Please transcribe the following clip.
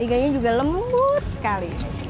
iganya juga lembut sekali